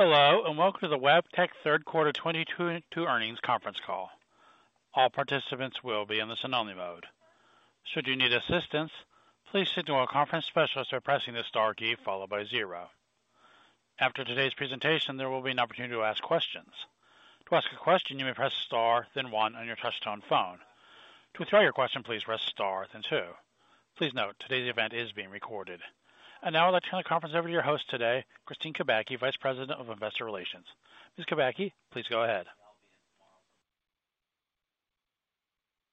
Hello, and welcome to the Wabtec third quarter 2022 earnings conference call. All participants will be in the listen-only mode. Should you need assistance, please signal a conference specialist by pressing the star key followed by zero. After today's presentation, there will be an opportunity to ask questions. To ask a question, you may press star then one on your touchtone phone. To withdraw your question, please press star then two. Please note, today's event is being recorded. Now I'll turn the conference over to your host today, Kristine Kubacki, Vice President of Investor Relations. Ms. Kubacki, please go ahead.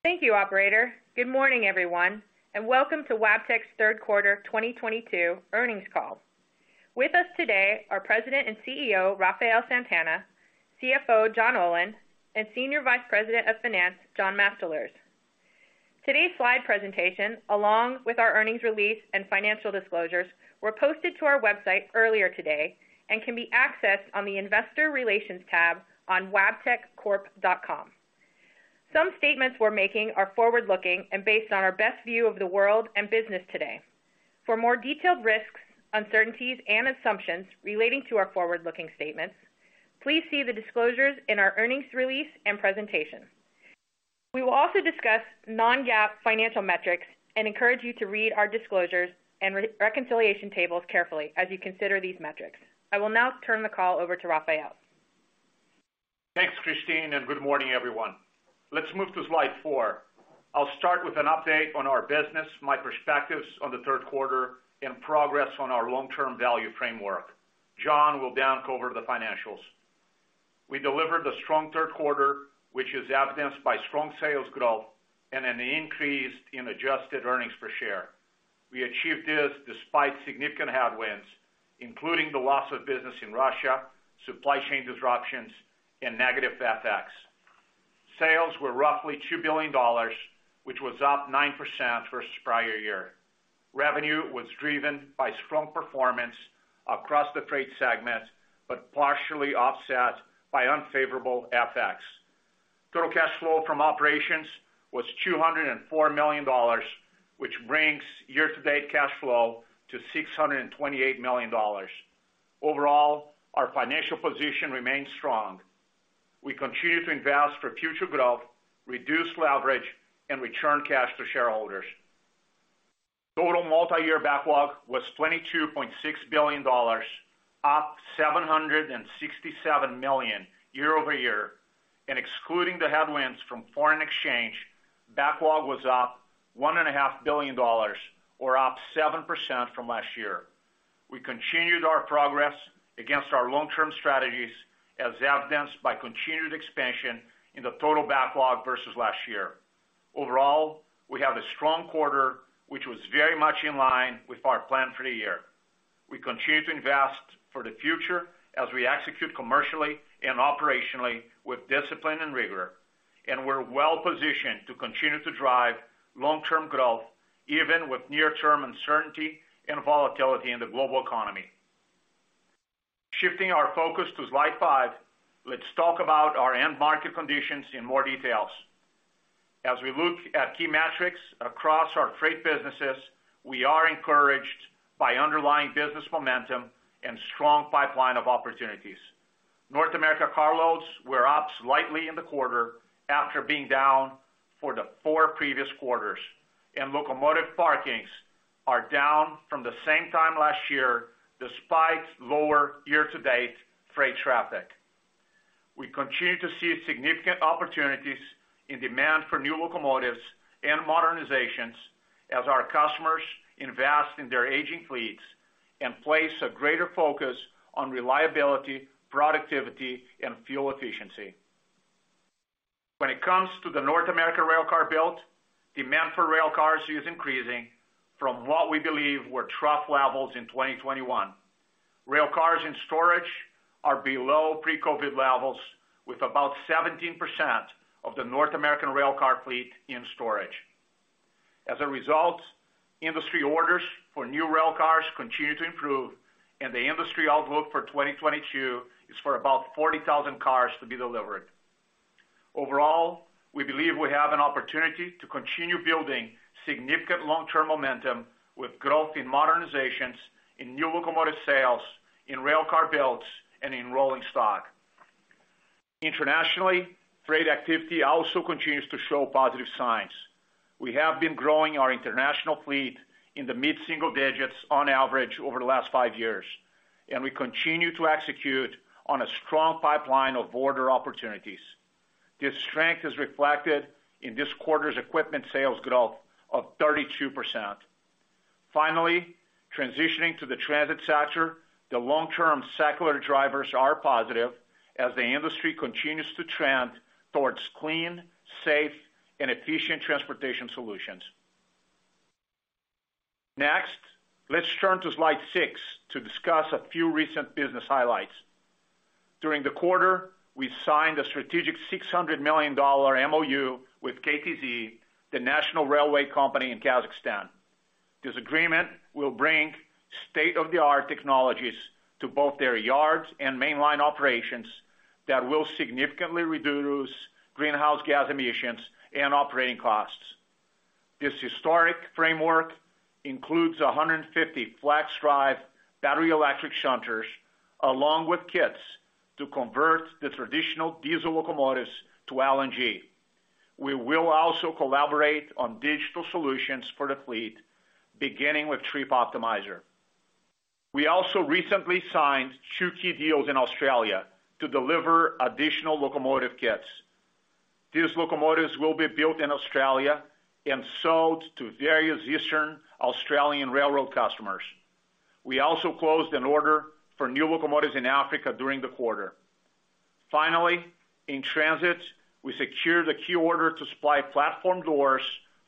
Thank you, operator. Good morning, everyone, and welcome to Wabtec's third quarter 2022 earnings call. With us today are President and Chief Executive Officer, Rafael Santana, Chief Financial Officer, John Olin, and Senior Vice President of Finance, John Mastalerz. Today's slide presentation, along with our earnings release and financial disclosures, were posted to our website earlier today and can be accessed on the Investor Relations tab on wabteccorp.com. Some statements we're making are forward-looking and based on our best view of the world and business today. For more detailed risks, uncertainties, and assumptions relating to our forward-looking statements, please see the disclosures in our earnings release and presentation. We will also discuss Non-GAAP financial metrics and encourage you to read our disclosures and reconciliation tables carefully as you consider these metrics. I will now turn the call over to Rafael. Thanks, Kristine, and good morning, everyone. Let's move to slide four. I'll start with an update on our business, my perspectives on the third quarter and progress on our long-term value framework. John will then cover the financials. We delivered a strong third quarter, which is evidenced by strong sales growth and an increase in adjusted earnings per share. We achieved this despite significant headwinds, including the loss of business in Russia, supply chain disruptions, and negative FX. Sales were roughly $2 billion, which was up 9% versus prior year. Revenue was driven by strong performance across the freight segment, but partially offset by unfavorable FX. Total cash flow from operations was $204 million, which brings year-to-date cash flow to $628 million. Overall, our financial position remains strong. We continue to invest for future growth, reduce leverage, and return cash to shareholders. Total multi-year backlog was $22.6 billion, up $767 million year-over-year. Excluding the headwinds from foreign exchange, backlog was up $1.5 billion or up 7% from last year. We continued our progress against our long-term strategies as evidenced by continued expansion in the total backlog versus last year. Overall, we have a strong quarter, which was very much in line with our plan for the year. We continue to invest for the future as we execute commercially and operationally with discipline and rigor, and we're well positioned to continue to drive long-term growth, even with near-term uncertainty and volatility in the global economy. Shifting our focus to slide five, let's talk about our end market conditions in more detail. As we look at key metrics across our freight businesses, we are encouraged by underlying business momentum and strong pipeline of opportunities. North American carloads were up slightly in the quarter after being down for the four previous quarters, and locomotive parkings are down from the same time last year despite lower year-to-date freight traffic. We continue to see significant opportunities in demand for new locomotives and modernizations as our customers invest in their aging fleets and place a greater focus on reliability, productivity, and fuel efficiency. When it comes to the North American railcar build, demand for railcars is increasing from what we believe were trough levels in 2021. Railcars in storage are below pre-COVID levels with about 17% of the North American railcar fleet in storage. As a result, industry orders for new railcars continue to improve, and the industry outlook for 2022 is for about 40,000 cars to be delivered. Overall, we believe we have an opportunity to continue building significant long-term momentum with growth in modernizations, in new locomotive sales, in railcar builds, and in rolling stock. Internationally, freight activity also continues to show positive signs. We have been growing our international fleet in the mid-single digits on average over the last five years, and we continue to execute on a strong pipeline of order opportunities. This strength is reflected in this quarter's equipment sales growth of 32%. Finally, transitioning to the transit sector, the long-term secular drivers are positive as the industry continues to trend towards clean, safe, and efficient transportation solutions. Next, let's turn to slide six to discuss a few recent business highlights. During the quarter, we signed a strategic $600 million MOU with KTZ, the national railway company in Kazakhstan. This agreement will bring state-of-the-art technologies to both their yards and mainline operations that will significantly reduce greenhouse gas emissions and operating costs. This historic framework includes 150 FLXdrive battery-electric shunters, along with kits to convert the traditional diesel locomotives to LNG. We will also collaborate on digital solutions for the fleet, beginning with Trip Optimizer. We also recently signed two key deals in Australia to deliver additional locomotive kits. These locomotives will be built in Australia and sold to various eastern Australian railroad customers. We also closed an order for new locomotives in Africa during the quarter. Finally, in transit, we secured a key order to supply platform doors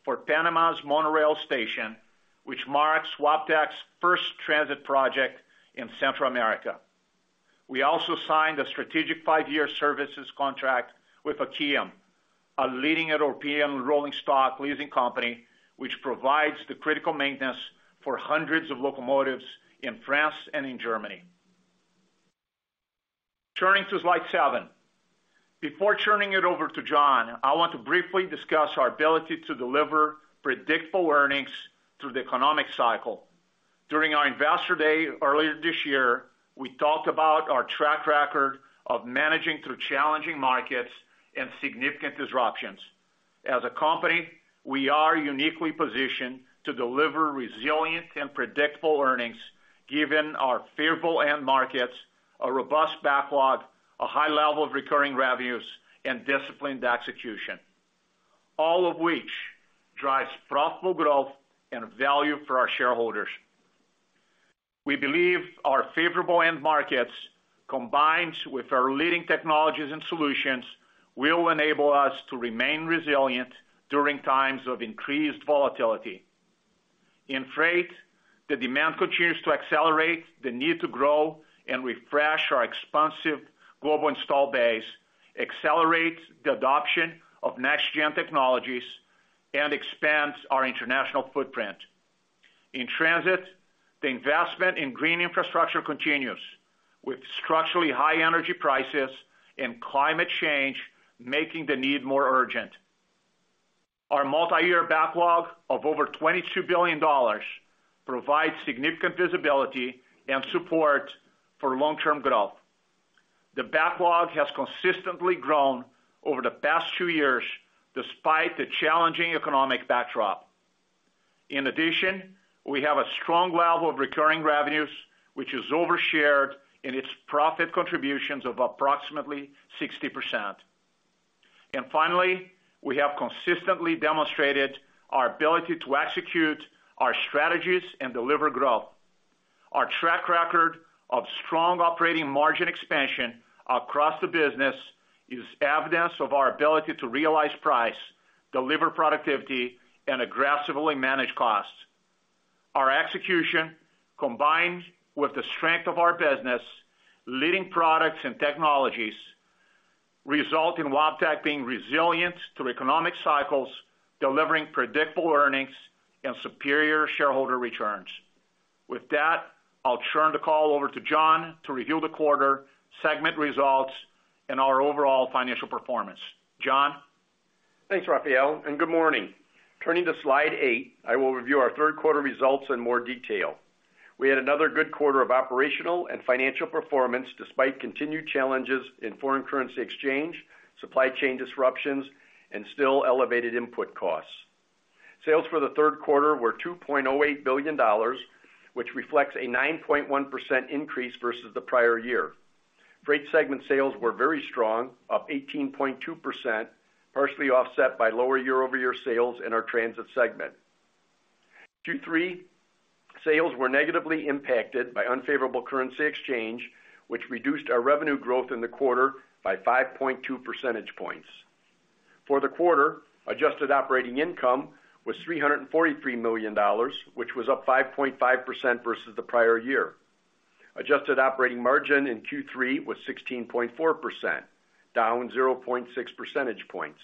for Panama's monorail station, which marks Wabtec's first transit project in Central America. We also signed a strategic five-year services contract with Akiem, a leading European rolling stock leasing company which provides the critical maintenance for hundreds of locomotives in France and in Germany. Turning to slide seven. Before turning it over to John, I want to briefly discuss our ability to deliver predictable earnings through the economic cycle. During our Investor Day earlier this year, we talked about our track record of managing through challenging markets and significant disruptions. As a company, we are uniquely positioned to deliver resilient and predictable earnings given our favorable end markets, a robust backlog, a high level of recurring revenues, and disciplined execution, all of which drives profitable growth and value for our shareholders. We believe our favorable end markets, combined with our leading technologies and solutions, will enable us to remain resilient during times of increased volatility. In freight, the demand continues to accelerate the need to grow and refresh our expansive global installed base, accelerate the adoption of next-gen technologies, and expands our international footprint. In transit, the investment in green infrastructure continues, with structurally high energy prices and climate change making the need more urgent. Our multi-year backlog of over $22 billion provides significant visibility and support for long-term growth. The backlog has consistently grown over the past two years despite the challenging economic backdrop. In addition, we have a strong level of recurring revenues, which is over 60% of its profit contributions. Finally, we have consistently demonstrated our ability to execute our strategies and deliver growth. Our track record of strong operating margin expansion across the business is evidence of our ability to realize price, deliver productivity, and aggressively manage costs. Our execution, combined with the strength of our business, leading products and technologies, result in Wabtec being resilient through economic cycles, delivering predictable earnings and superior shareholder returns. With that, I'll turn the call over to John to review the quarter, segment results, and our overall financial performance. John? Thanks, Rafael, and good morning. Turning to slide eight, I will review our third quarter results in more detail. We had another good quarter of operational and financial performance despite continued challenges in foreign currency exchange, supply chain disruptions, and still elevated input costs. Sales for the third quarter were $2.08 billion, which reflects a 9.1% increase versus the prior year. Freight segment sales were very strong, up 18.2%, partially offset by lower year-over-year sales in our transit segment. Q3 sales were negatively impacted by unfavorable currency exchange, which reduced our revenue growth in the quarter by 5.2 percentage points. For the quarter, adjusted operating income was $343 million, which was up 5.5% versus the prior year. Adjusted operating margin in Q3 was 16.4%, down 0.6 percentage points.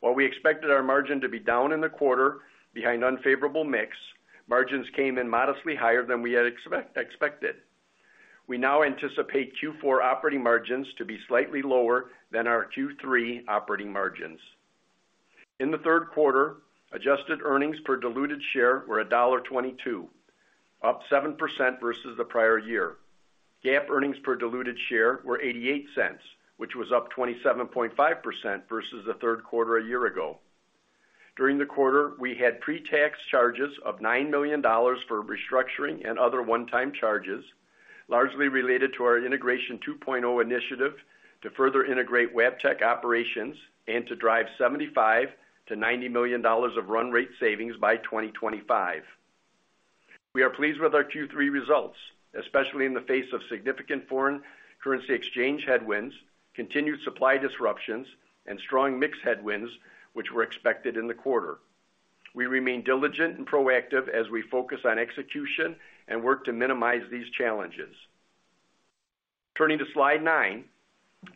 While we expected our margin to be down in the quarter behind unfavorable mix, margins came in modestly higher than we had expected. We now anticipate Q4 operating margins to be slightly lower than our Q3 operating margins. In the third quarter, adjusted earnings per diluted share were $1.22, up 7% versus the prior year. GAAP earnings per diluted share were $0.88, which was up 27.5% versus the third quarter a year ago. During the quarter, we had pre-tax charges of $9 million for restructuring and other one-time charges, largely related to our Integration 2.0 initiative to further integrate Wabtec operations and to drive $75 million-$90 million of run rate savings by 2025. We are pleased with our Q3 results, especially in the face of significant foreign currency exchange headwinds, continued supply disruptions, and strong mix headwinds, which were expected in the quarter. We remain diligent and proactive as we focus on execution and work to minimize these challenges. Turning to slide nine,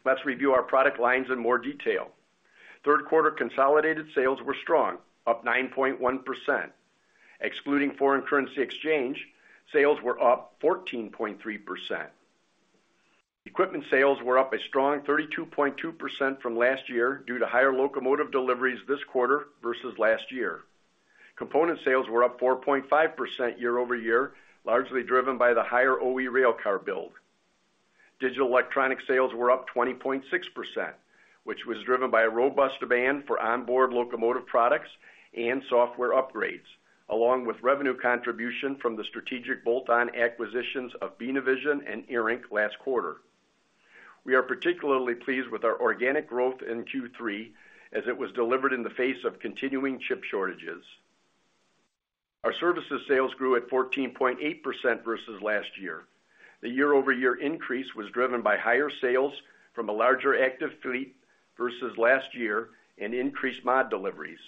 let's review our product lines in more detail. Third quarter consolidated sales were strong, up 9.1%. Excluding foreign currency exchange, sales were up 14.3%. Equipment sales were up a strong 32.2% from last year due to higher locomotive deliveries this quarter versus last year. Component sales were up 4.5% year-over-year, largely driven by the higher OE rail car build. Digital electronic sales were up 20.6%, which was driven by a robust demand for onboard locomotive products and software upgrades, along with revenue contribution from the strategic bolt-on acquisitions of Beena Vision and Nordco last quarter. We are particularly pleased with our organic growth in Q3 as it was delivered in the face of continuing chip shortages. Our services sales grew at 14.8% versus last year. The year-over-year increase was driven by higher sales from a larger active fleet versus last year and increased mod deliveries.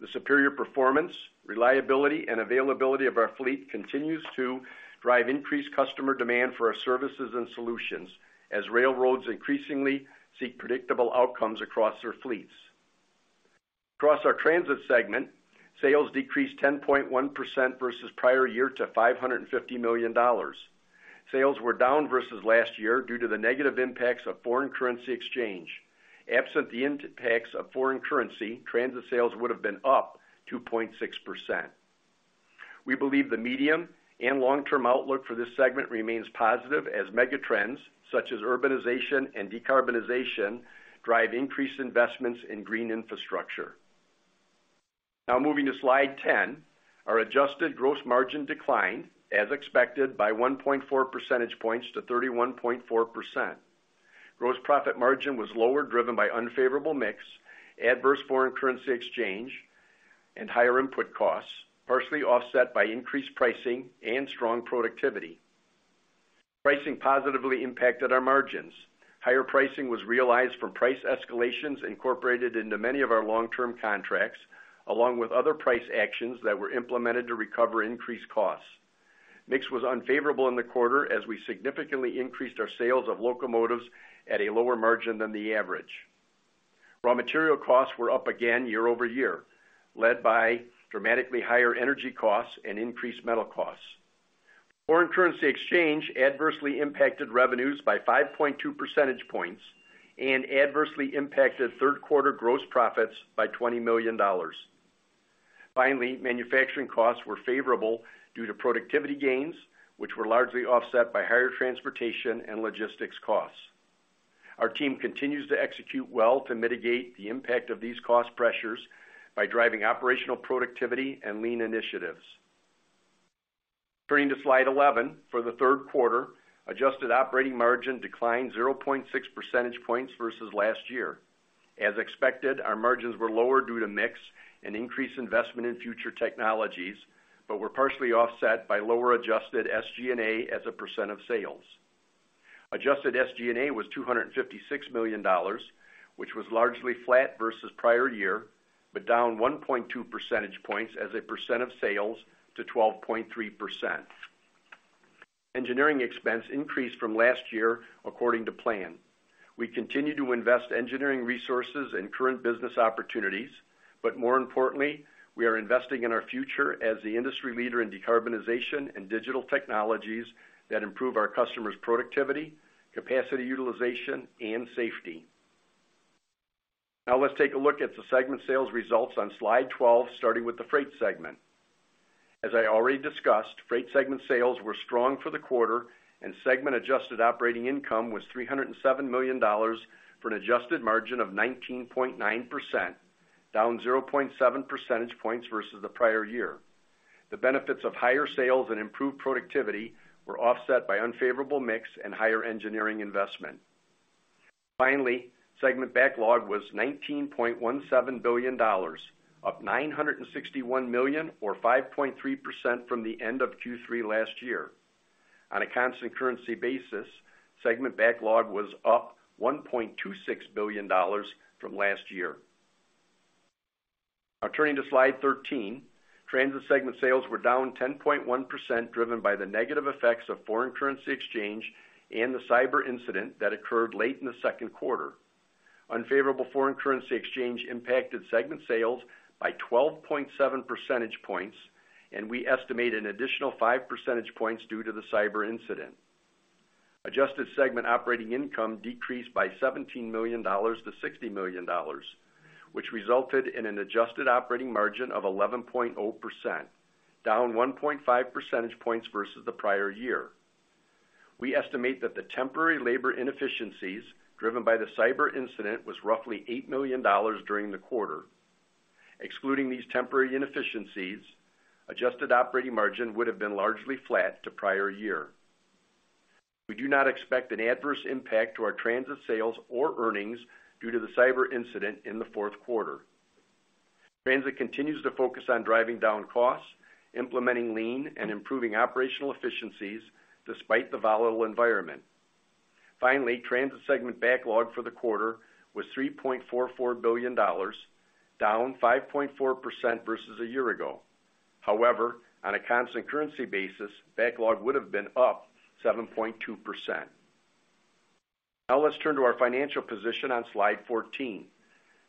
The superior performance, reliability, and availability of our fleet continues to drive increased customer demand for our services and solutions as railroads increasingly seek predictable outcomes across their fleets. Across our transit segment, sales decreased 10.1% versus prior year to $550 million. Sales were down versus last year due to the negative impacts of foreign currency exchange. Absent the impacts of foreign currency, transit sales would have been up 2.6%. We believe the medium and long-term outlook for this segment remains positive as megatrends, such as urbanization and decarbonization, drive increased investments in green infrastructure. Now moving to Slide 10. Our adjusted gross margin declined, as expected, by 1.4 percentage points to 31.4%. Gross profit margin was lower, driven by unfavorable mix, adverse foreign currency exchange, and higher input costs, partially offset by increased pricing and strong productivity. Pricing positively impacted our margins. Higher pricing was realized from price escalations incorporated into many of our long-term contracts, along with other price actions that were implemented to recover increased costs. Mix was unfavorable in the quarter as we significantly increased our sales of locomotives at a lower margin than the average. Raw material costs were up again year-over-year, led by dramatically higher energy costs and increased metal costs. Foreign currency exchange adversely impacted revenues by 5.2 percentage points and adversely impacted third quarter gross profits by $20 million. Finally, manufacturing costs were favorable due to productivity gains, which were largely offset by higher transportation and logistics costs. Our team continues to execute well to mitigate the impact of these cost pressures by driving operational productivity and lean initiatives. Turning to Slide 11, for the third quarter, adjusted operating margin declined 0.6 percentage points versus last year. As expected, our margins were lower due to mix and increased investment in future technologies, but were partially offset by lower adjusted SG&A as a percent of sales. Adjusted SG&A was $256 million, which was largely flat versus prior year, but down 1.2 percentage points as a percent of sales to 12.3%. Engineering expense increased from last year according to plan. We continue to invest engineering resources in current business opportunities, but more importantly, we are investing in our future as the industry leader in decarbonization and digital technologies that improve our customers' productivity, capacity utilization, and safety. Now let's take a look at the segment sales results on Slide 12, starting with the Freight segment. As I already discussed, Freight segment sales were strong for the quarter and segment-adjusted operating income was $307 million for an adjusted margin of 19.9%, down 0.7 percentage points versus the prior year. The benefits of higher sales and improved productivity were offset by unfavorable mix and higher engineering investment. Finally, segment backlog was $19.17 billion, up $961 million or 5.3% from the end of Q3 last year. On a constant currency basis, segment backlog was up $1.26 billion from last year. Now turning to Slide 13. Transit segment sales were down 10.1%, driven by the negative effects of foreign currency exchange and the cyber incident that occurred late in the second quarter. Unfavorable foreign currency exchange impacted segment sales by 12.7 percentage points, and we estimate an additional 5 percentage points due to the cyber incident. Adjusted segment operating income decreased by $17 million-$60 million, which resulted in an adjusted operating margin of 11.0%, down 1.5 percentage points versus the prior year. We estimate that the temporary labor inefficiencies driven by the cyber incident was roughly $8 million during the quarter. Excluding these temporary inefficiencies, adjusted operating margin would have been largely flat to prior year. We do not expect an adverse impact to our transit sales or earnings due to the cyber incident in the fourth quarter. Transit continues to focus on driving down costs, implementing lean, and improving operational efficiencies despite the volatile environment. Finally, transit segment backlog for the quarter was $3.44 billion, down 5.4% versus a year ago. However, on a constant currency basis, backlog would have been up 7.2%. Now let's turn to our financial position on Slide 14.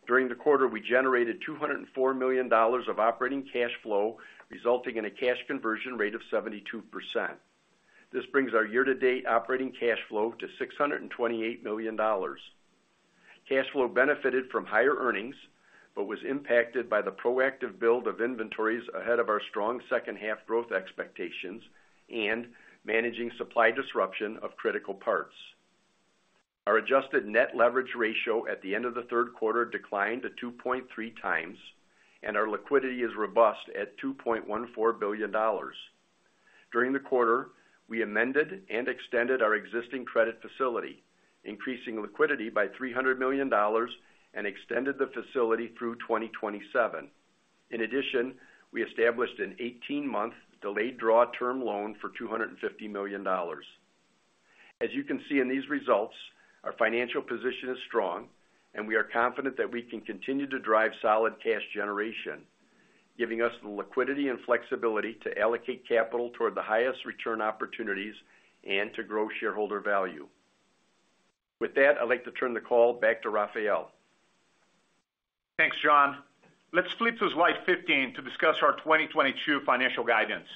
During the quarter, we generated $204 million of operating cash flow, resulting in a cash conversion rate of 72%. This brings our year-to-date operating cash flow to $628 million. Cash flow benefited from higher earnings, but was impacted by the proactive build of inventories ahead of our strong second half growth expectations and managing supply disruption of critical parts. Our adjusted net leverage ratio at the end of the third quarter declined to 2.3x, and our liquidity is robust at $2.14 billion. During the quarter, we amended and extended our existing credit facility, increasing liquidity by $300 million and extended the facility through 2027. In addition, we established an 18-month delayed draw term loan for $250 million. As you can see in these results, our financial position is strong, and we are confident that we can continue to drive solid cash generation, giving us the liquidity and flexibility to allocate capital toward the highest return opportunities and to grow shareholder value. With that, I'd like to turn the call back to Rafael. Thanks, John. Let's flip to Slide 15 to discuss our 2022 financial guidance.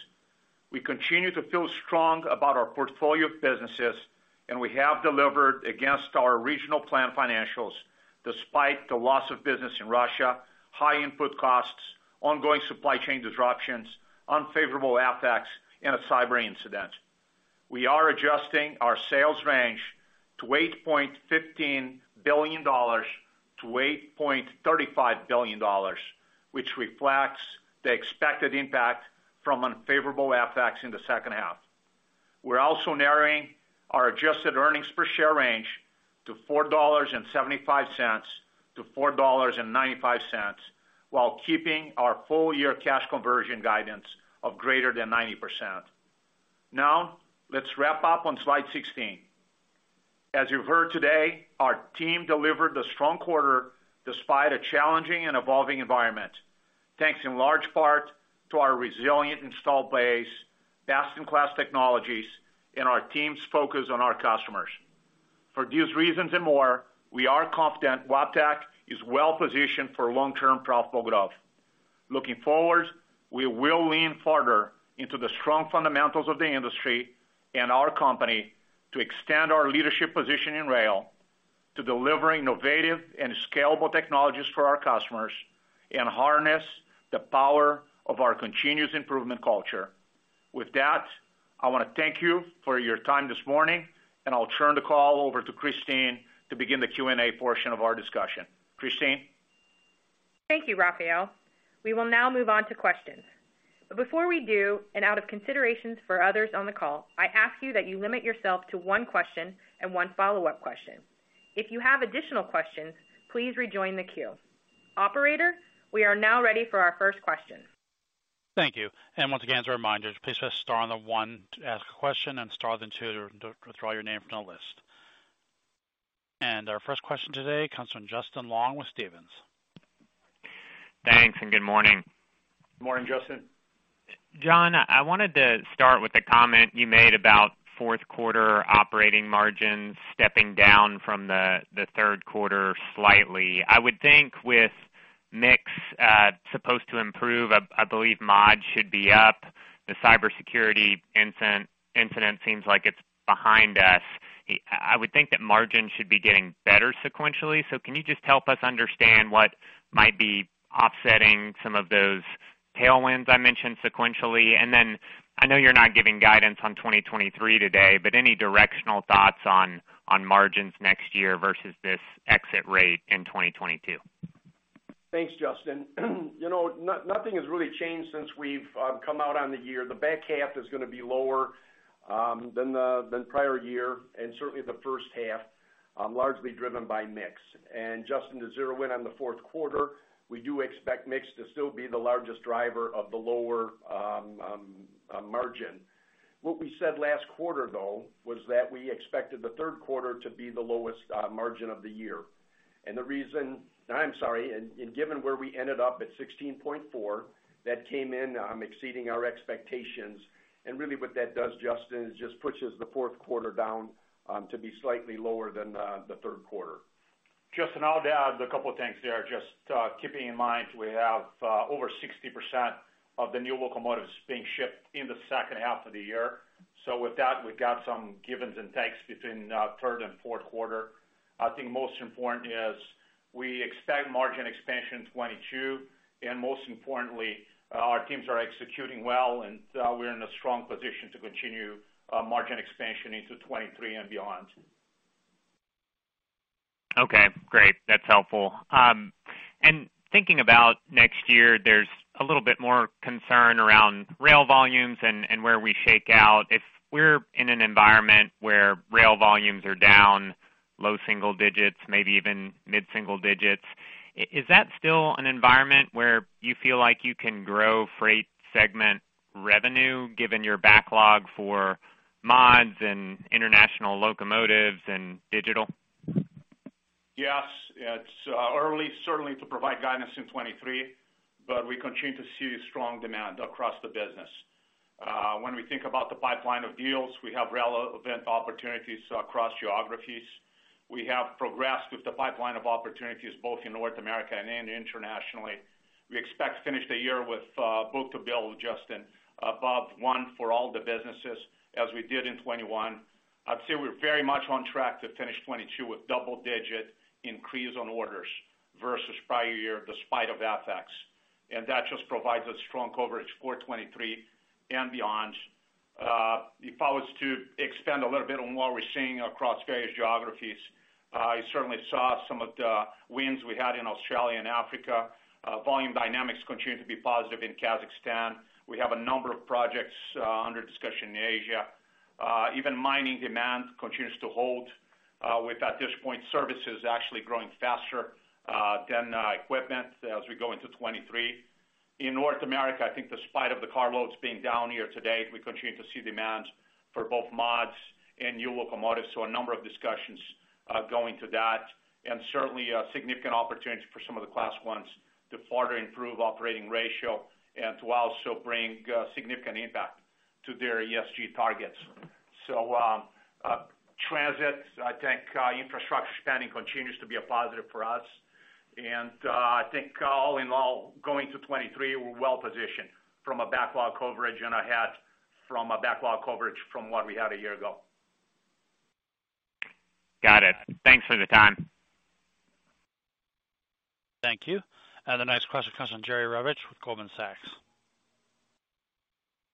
We continue to feel strong about our portfolio of businesses, and we have delivered against our regional plan financials despite the loss of business in Russia, high input costs, ongoing supply chain disruptions, unfavorable FX, and a cyber incident. We are adjusting our sales range to $8.15 billion-$8.35 billion, which reflects the expected impact from unfavorable FX in the second half. We're also narrowing our adjusted earnings per share range to $4.75-$4.95 while keeping our full year cash conversion guidance of greater than 90%. Now, let's wrap up on slide 16. As you've heard today, our team delivered a strong quarter despite a challenging and evolving environment, thanks in large part to our resilient installed base, best-in-class technologies, and our team's focus on our customers. For these reasons and more, we are confident Wabtec is well positioned for long-term profitable growth. Looking forward, we will lean further into the strong fundamentals of the industry and our company to extend our leadership position in rail to deliver innovative and scalable technologies for our customers and harness the power of our continuous improvement culture. With that, I wanna thank you for your time this morning, and I'll turn the call over to Kristine to begin the Q&A portion of our discussion. Kristine? Thank you, Rafael. We will now move on to questions. Before we do, and out of considerations for others on the call, I ask you that you limit yourself to one question and one follow-up question. If you have additional questions, please rejoin the queue. Operator, we are now ready for our first question. Thank you. Once again, as a reminder, please press star one to ask a question and star two to withdraw your name from the list. Our first question today comes from Justin Long with Stephens. Thanks, and good morning. Morning, Justin. John, I wanted to start with a comment you made about fourth quarter operating margins stepping down from the third quarter slightly. I would think with mix supposed to improve, I believe mod should be up. The cybersecurity incident seems like it's behind us. I would think that margins should be getting better sequentially. Can you just help us understand what might be offsetting some of those tailwinds I mentioned sequentially? I know you're not giving guidance on 2023 today, but any directional thoughts on margins next year versus this exit rate in 2022? Thanks, Justin. You know, nothing has really changed since we've come out on the year. The back half is gonna be lower than the prior year, and certainly the first half largely driven by mix. Justin, to zero in on the fourth quarter, we do expect mix to still be the largest driver of the lower margin. What we said last quarter, though, was that we expected the third quarter to be the lowest margin of the year. Given where we ended up at 16.4%, that came in exceeding our expectations. Really what that does, Justin, is just pushes the fourth quarter down to be slightly lower than the third quarter. Justin, I'll add a couple things there. Just keeping in mind, we have over 60% of the new locomotives being shipped in the second half of the year. With that, we've got some gives and takes between third and fourth quarter. I think most important is we expect margin expansion in 2022, and most importantly, our teams are executing well, and we're in a strong position to continue margin expansion into 2023 and beyond. Okay, great. That's helpful. Thinking about next year, there's a little bit more concern around rail volumes and where we shake out. If we're in an environment where rail volumes are down low single digits, maybe even mid-single digits, is that still an environment where you feel like you can grow freight segment revenue, given your backlog for mods and international locomotives and digital? Yes. It's early certainly to provide guidance in 2023, but we continue to see strong demand across the business. When we think about the pipeline of deals, we have relevant opportunities across geographies. We have progressed with the pipeline of opportunities both in North America and internationally. We expect to finish the year with book-to-bill, Justin, above one for all the businesses as we did in 2021. I'd say we're very much on track to finish 2022 with double-digit increase on orders versus prior year despite of FX. That just provides a strong coverage for 2023 and beyond. If I was to expand a little bit on what we're seeing across various geographies, you certainly saw some of the wins we had in Australia and Africa. Volume dynamics continue to be positive in Kazakhstan. We have a number of projects under discussion in Asia. Even mining demand continues to hold, with at this point, services actually growing faster than equipment as we go into 2023. In North America, I think despite of the car loads being down here today, we continue to see demand for both mods and new locomotives. A number of discussions going to that and certainly significant opportunities for some of the class ones to further improve operating ratio and to also bring significant impact to their ESG targets. Transit, I think, infrastructure spending continues to be a positive for us. I think all in all, going to 2023, we're well positioned from a backlog coverage and ahead from a backlog coverage from what we had a year ago. Got it. Thanks for the time. Thank you. The next question comes from Jerry Revich with Goldman Sachs.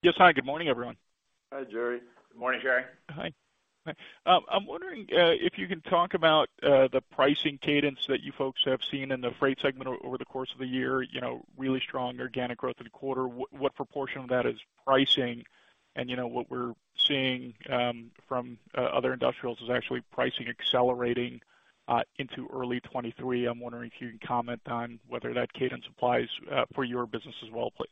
Yes. Hi, good morning, everyone. Hi, Jerry. Good morning, Jerry. Hi. I'm wondering if you can talk about the pricing cadence that you folks have seen in the freight segment over the course of the year, you know, really strong organic growth in the quarter. What proportion of that is pricing? You know, what we're seeing from other industrials is actually pricing accelerating into early 2023. I'm wondering if you can comment on whether that cadence applies for your business as well, please.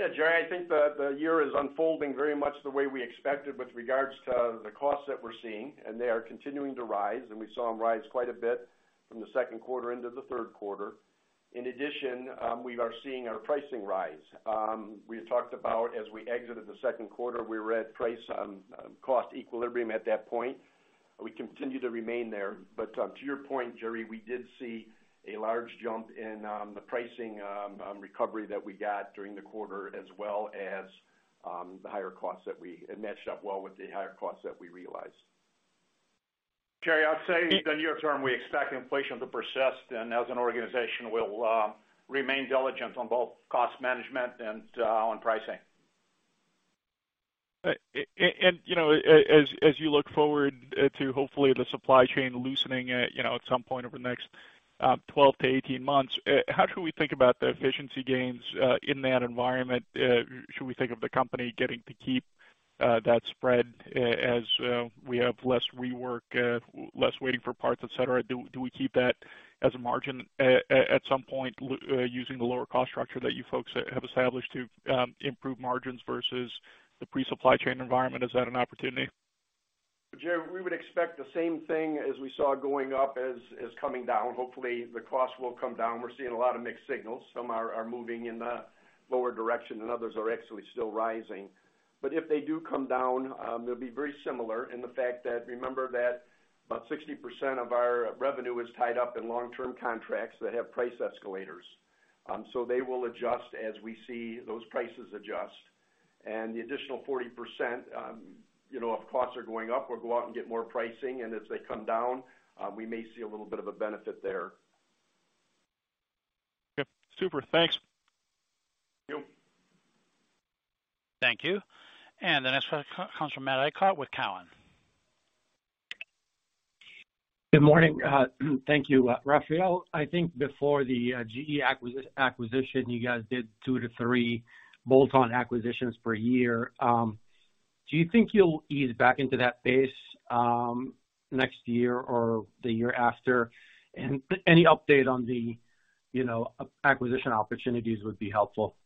Yeah, Jerry, I think the year is unfolding very much the way we expected with regard to the costs that we're seeing, and they are continuing to rise, and we saw them rise quite a bit from the second quarter into the third quarter. In addition, we are seeing our pricing rise. We had talked about as we exited the second quarter, we were at price cost equilibrium at that point. We continue to remain there. To your point, Jerry, we did see a large jump in the pricing recovery that we got during the quarter, as well as the higher costs. It matched up well with the higher costs that we realized. Jerry, I'd say in the near term, we expect inflation to persist, and as an organization, we'll remain diligent on both cost management and on pricing. You know, as you look forward to hopefully the supply chain loosening, you know, at some point over the next 12 months-18 months, how should we think about the efficiency gains in that environment? Should we think of the company getting to keep that spread as we have less rework, less waiting for parts, et cetera? Do we keep that as a margin at some point using the lower cost structure that you folks have established to improve margins versus the pre-supply chain environment? Is that an opportunity? Jerry, we would expect the same thing as we saw going up as coming down. Hopefully, the costs will come down. We're seeing a lot of mixed signals. Some are moving in the lower direction, and others are actually still rising. If they do come down, they'll be very similar in the fact that remember that about 60% of our revenue is tied up in long-term contracts that have price escalators. They will adjust as we see those prices adjust. The additional 40%, you know, if costs are going up, we'll go out and get more pricing. As they come down, we may see a little bit of a benefit there. Yep. Super. Thanks. Thank you. Thank you. The next one comes from Matthew Elkott with Cowen. Good morning. Thank you. Rafael, I think before the GE acquisition, you guys did two to three bolt-on acquisitions per year. Do you think you'll ease back into that pace next year or the year after? Any update on the, you know, acquisition opportunities would be helpful.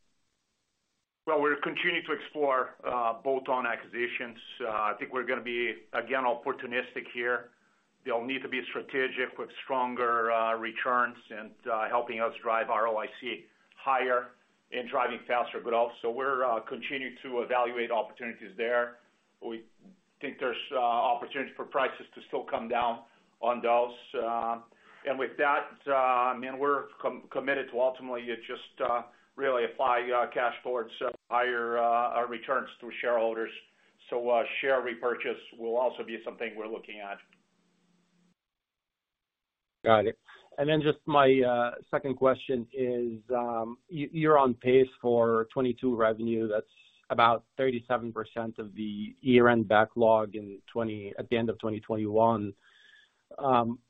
Well, we're continuing to explore bolt-on acquisitions. I think we're gonna be, again, opportunistic here. They'll need to be strategic with stronger returns and helping us drive ROIC higher and driving faster growth. We're continuing to evaluate opportunities there. We think there's opportunities for prices to still come down on those. And with that, I mean, we're committed to ultimately just really apply cash towards higher returns through shareholders. Share repurchase will also be something we're looking at. Got it. Just my second question is, you're on pace for 2022 revenue. That's about 37% of the year-end backlog at the end of 2021.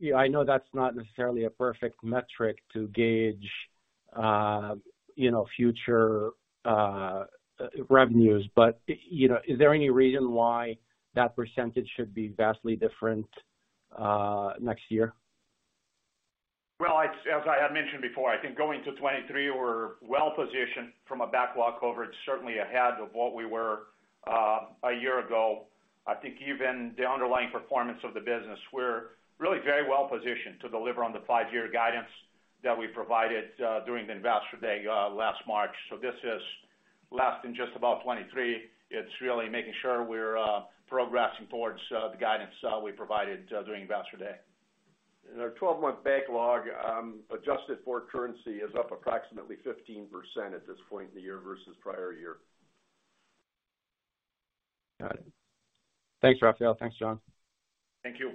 Yeah, I know that's not necessarily a perfect metric to gauge, you know, future revenues. You know, is there any reason why that percentage should be vastly different next year? Well, as I had mentioned before, I think going to 2023, we're well positioned from a backlog coverage, certainly ahead of what we were a year ago. I think even the underlying performance of the business, we're really very well positioned to deliver on the five-year guidance that we provided during the Investor Day last March. This is less than just about 2023. It's really making sure we're progressing towards the guidance we provided during Investor Day. Our 12-month backlog, adjusted for currency, is up approximately 15% at this point in the year versus prior year. Got it. Thanks, Rafael. Thanks, John. Thank you.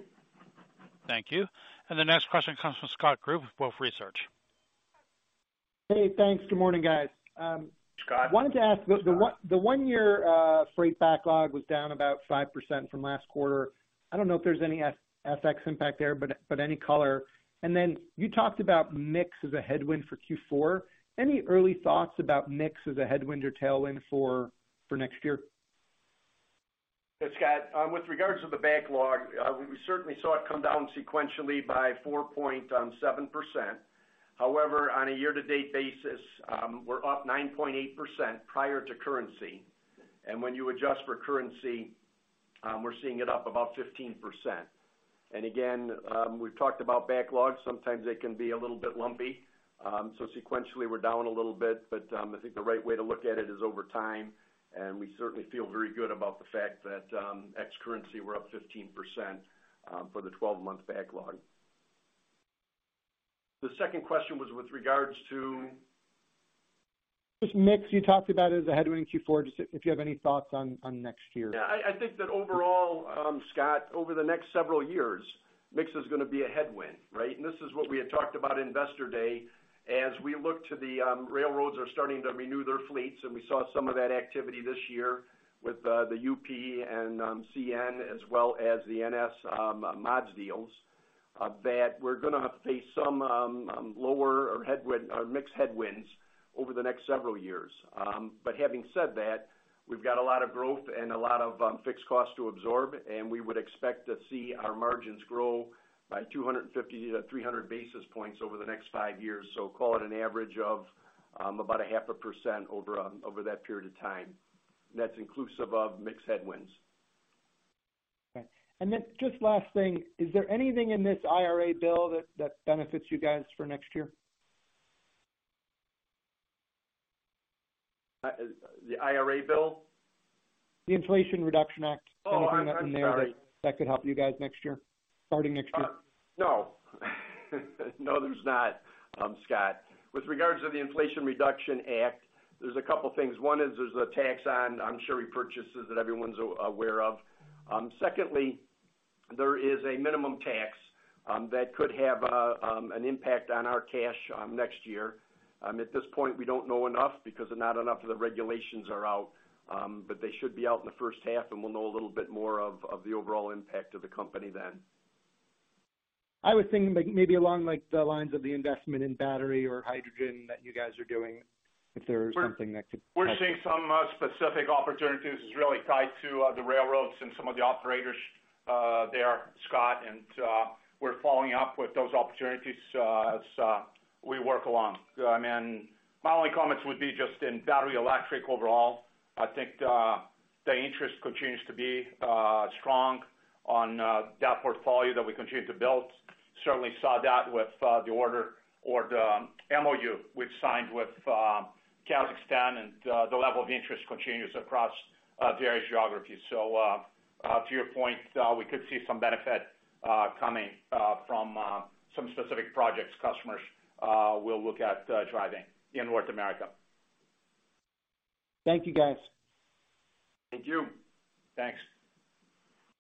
Thank you. The next question comes from Scott Group with Wolfe Research. Hey, thanks. Good morning, guys. Scott. Wanted to ask the one-year freight backlog was down about 5% from last quarter. I don't know if there's any FX impact there, but any color. You talked about mix as a headwind for Q4. Any early thoughts about mix as a headwind or tailwind for next year? Hey, Scott. With regards to the backlog, we certainly saw it come down sequentially by 4.7%. However, on a year-to-date basis, we're up 9.8% prior to currency. When you adjust for currency, we're seeing it up about 15%. Again, we've talked about backlogs. Sometimes they can be a little bit lumpy. Sequentially, we're down a little bit, but I think the right way to look at it is over time, and we certainly feel very good about the fact that ex-currency, we're up 15% for the twelve-month backlog. The second question was with regards to? Just the mix you talked about as a headwind in Q4, just if you have any thoughts on next year? Yeah, I think that overall, Scott, over the next several years, mix is gonna be a headwind, right? This is what we had talked about in Investor Day. As we look to the railroads are starting to renew their fleets, and we saw some of that activity this year with the UP and CN, as well as the NS mods deals that we're gonna face some lower or headwind or mixed headwinds over the next several years. Having said that, we've got a lot of growth and a lot of fixed costs to absorb, and we would expect to see our margins grow by 250 basis points-300 basis points over the next five years. Call it an average of about 0.5% over that period of time. That's inclusive of mixed headwinds. Okay. Just last thing, is there anything in this IRA bill that benefits you guys for next year? the IRA bill? The Inflation Reduction Act. Oh, I'm sorry. Anything in there that could help you guys next year, starting next year? No, there's not, Scott. With regards to the Inflation Reduction Act, there's a couple things. One is there's a tax on, I'm sure repurchases that everyone's aware of. Secondly, there is a minimum tax that could have an impact on our cash next year. At this point, we don't know enough because not enough of the regulations are out, but they should be out in the first half, and we'll know a little bit more of the overall impact to the company then. I was thinking maybe along like the lines of the investment in battery or hydrogen that you guys are doing, if there is something that could. We're seeing some specific opportunities really tied to the railroads and some of the operators there, Scott, and we're following up with those opportunities as we work along. I mean, my only comments would be just in battery electric overall. I think the interest continues to be strong on that portfolio that we continue to build. Certainly saw that with the order or the MOU we've signed with Kazakhstan and the level of interest continues across its various geographies. So to your point, we could see some benefit coming from some specific projects. Customers will look at driving in North America. Thank you, guys. Thank you. Thanks.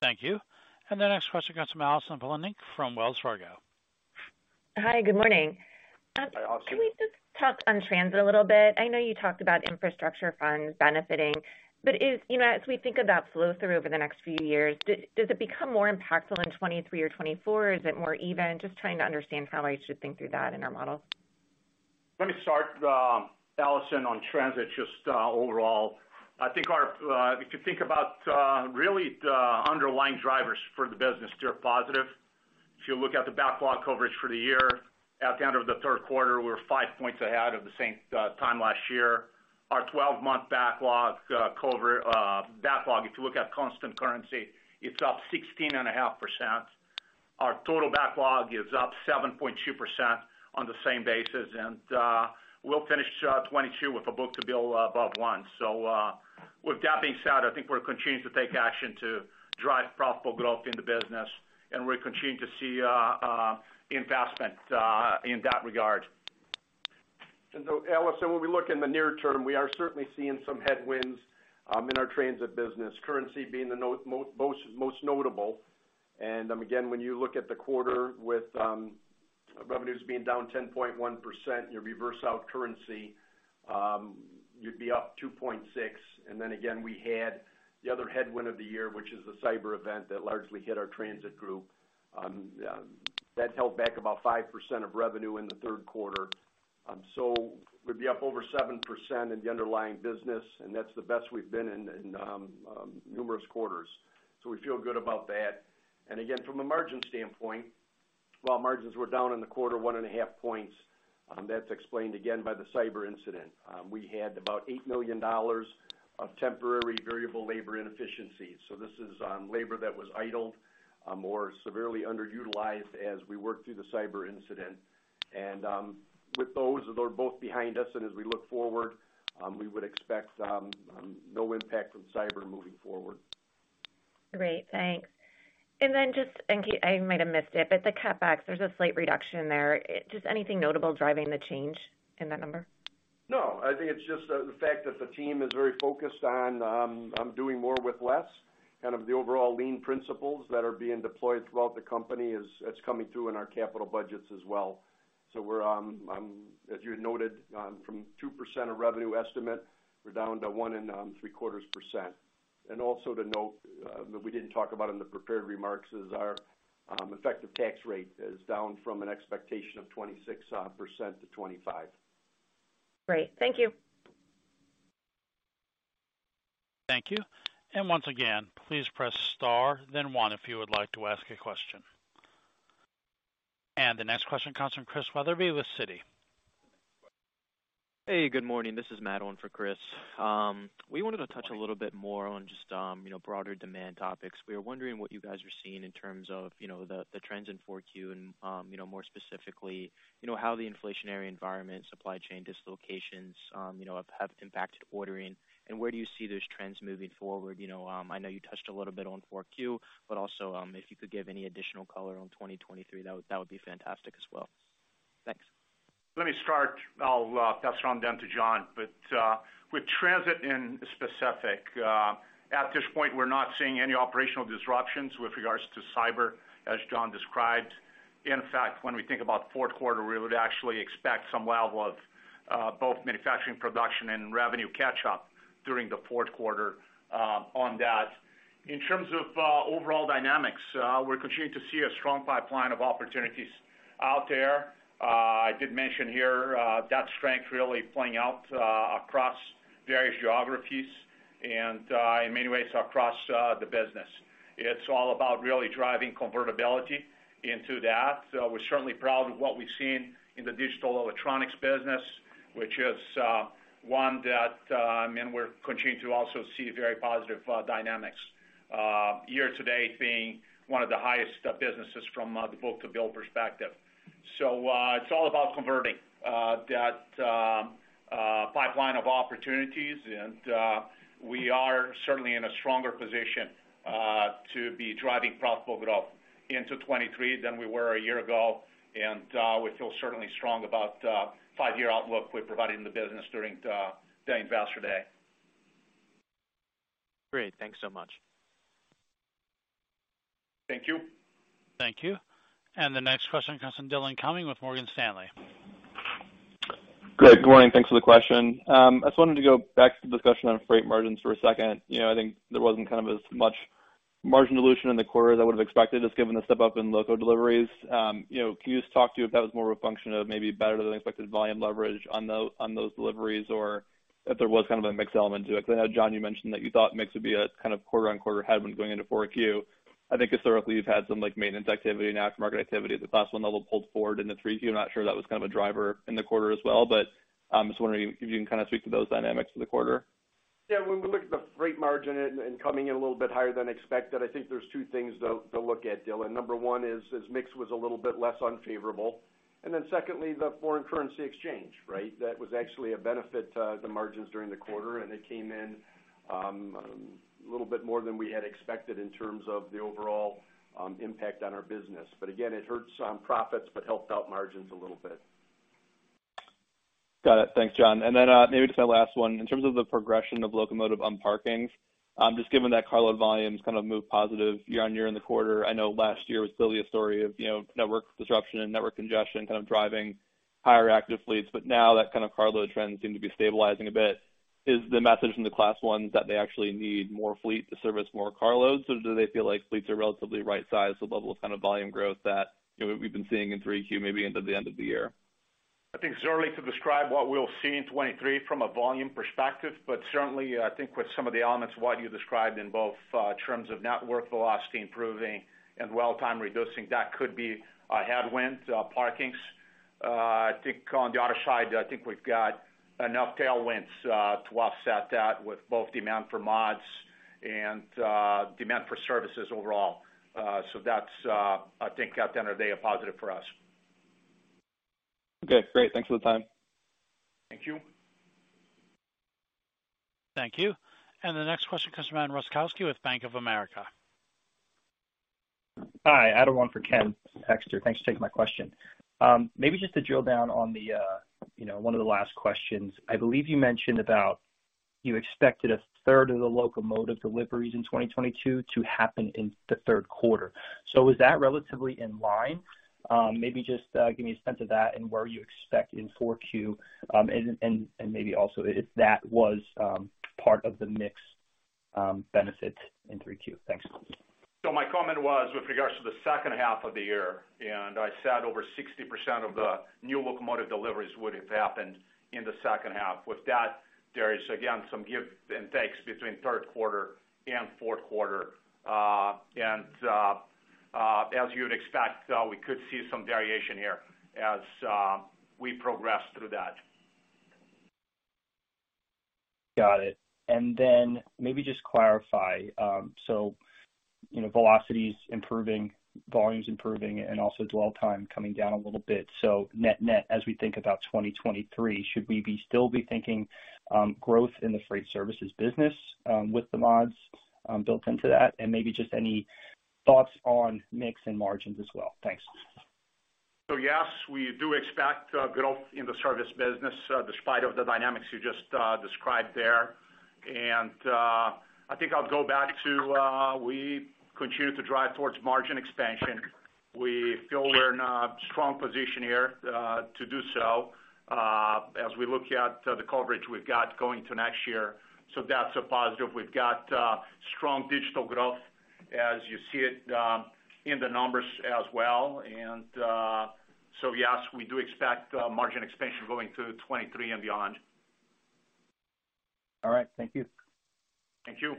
Thank you. The next question comes from Allison Poliniak-Cusic from Wells Fargo. Hi, good morning. Hi, Allison. Can we just talk on transit a little bit? I know you talked about infrastructure funds benefiting, but you know, as we think of that flow through over the next few years, does it become more impactful in 2023 or 2024? Is it more even? Just trying to understand how I should think through that in our model. Let me start, Allison, on transit just overall. I think our, if you think about really the underlying drivers for the business, they're positive. If you look at the backlog coverage for the year, at the end of the third quarter, we're 5 points ahead of the same time last year. Our 12-month backlog coverage, if you look at constant currency, it's up 16.5%. Our total backlog is up 7.2% on the same basis. We'll finish 2022 with a book-to-bill above one. With that being said, I think we're continuing to take action to drive profitable growth in the business, and we're continuing to see investment in that regard. Allison, when we look in the near term, we are certainly seeing some headwinds in our transit business, currency being the most notable. Again, when you look at the quarter with revenues being down 10.1%, you reverse out currency, you'd be up 2.6%. Then again, we had the other headwind of the year, which is the cyber event that largely hit our transit group. That held back about 5% of revenue in the third quarter. We'd be up over 7% in the underlying business, and that's the best we've been in numerous quarters. We feel good about that. Again, from a margin standpoint. Well, margins were down in the quarter 1.5 points. That's explained again by the cyber incident. We had about $8 million of temporary variable labor inefficiencies. This is labor that was idled or severely underutilized as we worked through the cyber incident. With those, they're both behind us and as we look forward, we would expect no impact from cyber moving forward. Great. Thanks. I might have missed it, but the CapEx, there's a slight reduction there. Just anything notable driving the change in that number? No, I think it's just the fact that the team is very focused on doing more with less, kind of the overall lean principles that are being deployed throughout the company. It's coming through in our capital budgets as well. We're, as you noted, from 2% of revenue estimate, we're down to 1.75%. Also to note that we didn't talk about in the prepared remarks is our effective tax rate is down from an expectation of 26%-25%. Great. Thank you. Thank you. Once again, please press star then one if you would like to ask a question. The next question comes from Christian Wetherbee with Citi. Hey, good morning. This is Madeline for Christian Wetherbee. We wanted to touch a little bit more on just, you know, broader demand topics. We were wondering what you guys are seeing in terms of, you know, the trends in 4Q and, you know, more specifically, you know, how the inflationary environment, supply chain dislocations, you know, have impacted ordering, and where do you see those trends moving forward, you know, I know you touched a little bit on 4Q, but also, if you could give any additional color on 2023, that would be fantastic as well. Thanks. Let me start. I'll pass it on down to John. With transit in specific, at this point, we're not seeing any operational disruptions with regards to cyber, as John described. In fact, when we think about fourth quarter, we would actually expect some level of both manufacturing production and revenue catch-up during the fourth quarter, on that. In terms of overall dynamics, we're continuing to see a strong pipeline of opportunities out there. I did mention here, that strength really playing out across various geographies and in many ways across the business. It's all about really driving convertibility into that. We're certainly proud of what we've seen in the digital electronics business, which is one that, I mean, we're continuing to also see very positive dynamics year to date being one of the highest businesses from the book-to-bill perspective. It's all about converting that pipeline of opportunities. We are certainly in a stronger position to be driving profitable growth into 2023 than we were a year ago. We feel certainly strong about five-year outlook we provided in the business during the Investor Day. Great. Thanks so much. Thank you. Thank you. The next question comes from Dillon Cumming with Morgan Stanley. Good morning. Thanks for the question. I just wanted to go back to the discussion on freight margins for a second. You know, I think there wasn't kind of as much margin dilution in the quarter that would have expected just given the step up in local deliveries. You know, can you just talk to if that was more of a function of maybe better than expected volume leverage on those deliveries or if there was kind of a mix element to it? Because I know, John, you mentioned that you thought mix would be a kind of quarter-over-quarter headwind going into 4Q. I think historically, you've had some, like, maintenance activity and aftermarket activity at the class one level pulled forward into 3Q. I'm not sure that was kind of a driver in the quarter as well, but just wondering if you can kind of speak to those dynamics for the quarter. Yeah, when we look at the freight margin and coming in a little bit higher than expected, I think there's two things, though, to look at, Dillon. Number one is mix was a little bit less unfavorable. Then secondly, the foreign currency exchange, right? That was actually a benefit to the margins during the quarter, and it came in a little bit more than we had expected in terms of the overall impact on our business. But again, it hurts profits, but helped out margins a little bit. Got it. Thanks, John. Maybe just my last one, in terms of the progression of locomotive unparkings, just given that carload volumes kind of moved positive year-over-year in the quarter, I know last year was clearly a story of, you know, network disruption and network congestion kind of driving higher active fleets. Now that kind of carload trends seem to be stabilizing a bit. Is the message from the Class I's that they actually need more fleet to service more carloads, or do they feel like fleets are relatively right sized to the level of kind of volume growth that, you know, we've been seeing in 3Q maybe into the end of the year? I think it's too early to describe what we'll see in 2023 from a volume perspective, but certainly I think with some of the elements what you described in both terms of network velocity improving and well time reducing, that could be a headwind to our parkings. I think on the other side, I think we've got enough tailwinds to offset that with both demand for mods and demand for services overall. That's, I think at the end of the day, a positive for us. Okay, great. Thanks for the time. Thank you. Thank you. The next question comes from Adam Roszkowski with Bank of America. Hi. Adam Roszkowski for Ken Hoexter. Thanks for taking my question. Maybe just to drill down on the, you know, one of the last questions. I believe you mentioned about you expected a third of the locomotive deliveries in 2022 to happen in the third quarter. Was that relatively in line? Maybe just give me a sense of that and where you expect in 4Q, and maybe also if that was part of the mix benefit in 3Q. Thanks. My comment was with regards to the second half of the year, and I said over 60% of the new locomotive deliveries would have happened in the second half. With that, there is again some give and take between third quarter and fourth quarter. As you would expect, we could see some variation here as we progress through that. Got it. Maybe just clarify. You know, velocity's improving, volume's improving, and also dwell time coming down a little bit. Net-net, as we think about 2023, should we still be thinking growth in the Freight Services business with the mods built into that? Maybe just any thoughts on mix and margins as well. Thanks. Yes, we do expect growth in the service business despite of the dynamics you just described there. I think I'll go back to we continue to drive towards margin expansion. We feel we're in a strong position here to do so as we look at the coverage we've got going to next year. That's a positive. We've got strong digital growth as you see it in the numbers as well. Yes, we do expect margin expansion going through 2023 and beyond. All right. Thank you. Thank you.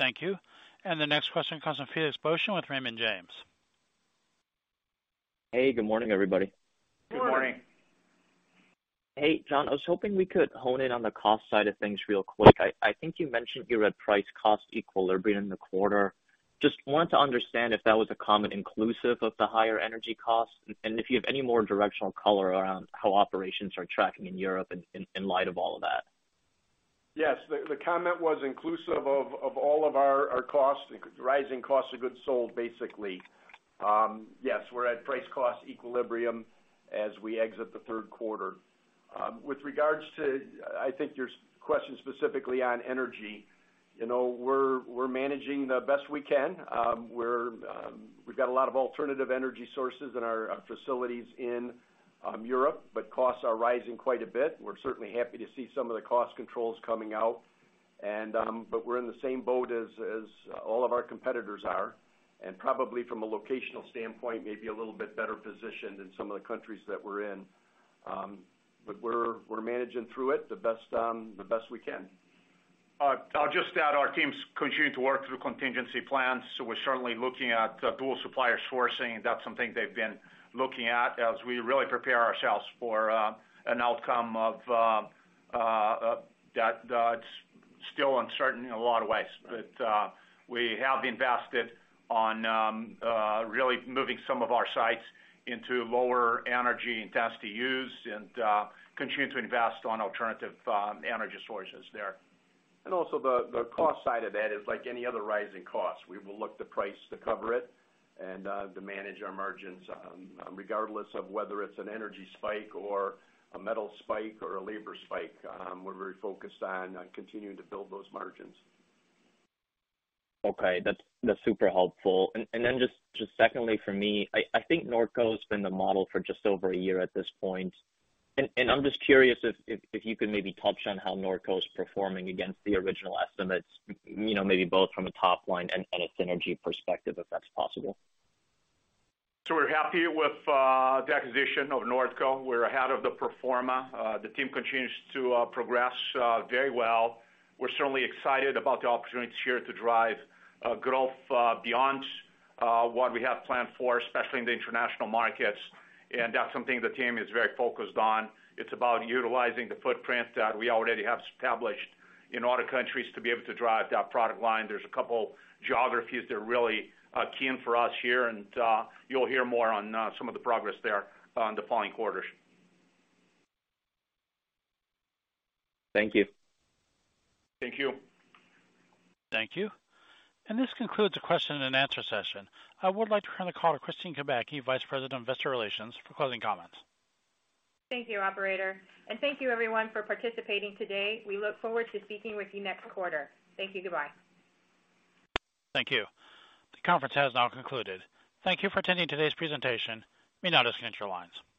Thank you. The next question comes from Felix Boeschen with Raymond James. Hey, good morning, everybody. Good morning. Hey, John. I was hoping we could hone in on the cost side of things real quick. I think you mentioned you were at price cost equilibrium in the quarter. Just wanted to understand if that was a comment inclusive of the higher energy costs, and if you have any more directional color around how operations are tracking in Europe in light of all of that. Yes. The comment was inclusive of all of our costs, rising costs of goods sold, basically. Yes, we're at price cost equilibrium as we exit the third quarter. With regards to, I think your question specifically on energy, you know, we're managing the best we can. We've got a lot of alternative energy sources in our facilities in Europe, but costs are rising quite a bit. We're certainly happy to see some of the cost controls coming out, but we're in the same boat as all of our competitors are, and probably from a locational standpoint, maybe a little bit better positioned in some of the countries that we're in. We're managing through it the best we can. I'll just add our teams continue to work through contingency plans, so we're certainly looking at dual supplier sourcing. That's something they've been looking at as we really prepare ourselves for an outcome of that it's still uncertain in a lot of ways. We have invested on really moving some of our sites into lower energy intensity use and continue to invest on alternative energy sources there. The cost side of that is like any other rising cost. We will look to price to cover it and to manage our margins, regardless of whether it's an energy spike or a metal spike or a labor spike. We're very focused on continuing to build those margins. Okay. That's super helpful. Then just secondly for me, I think Nordco's been the model for just over a year at this point. I'm just curious if you could maybe touch on how Nordco's performing against the original estimates, you know, maybe both from a top line and a synergy perspective, if that's possible. We're happy with the acquisition of Nordco. We're ahead of the pro forma. The team continues to progress very well. We're certainly excited about the opportunities here to drive growth beyond what we have planned for, especially in the international markets. That's something the team is very focused on. It's about utilizing the footprint that we already have established in other countries to be able to drive that product line. There's a couple geographies that are really key for us here, and you'll hear more on some of the progress there on the following quarters. Thank you. Thank you. Thank you. This concludes the question and answer session. I would like to turn the call to Kristine Kubacki, Vice President of Investor Relations, for closing comments. Thank you, operator, and thank you everyone for participating today. We look forward to speaking with you next quarter. Thank you. Goodbye. Thank you. The conference has now concluded. Thank you for attending today's presentation. You may now disconnect your lines.